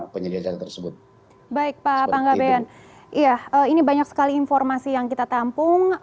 penyediaan tersebut baik pak panggabean iya ini banyak sekali informasi yang kita tampung